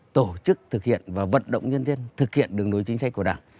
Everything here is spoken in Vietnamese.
tổ chức thực hiện và vận động nhân dân thực hiện đường lối chính sách của đảng